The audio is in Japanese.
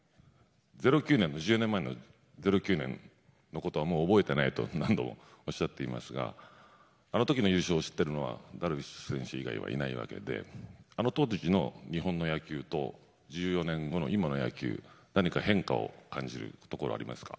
１０年前のことは覚えてないとおっしゃっていますがあの時の優勝を知っているのはダルビッシュ選手以外にはいないわけであの当時の日本の野球と１４年後の今の野球何か変化を感じるところはありますか？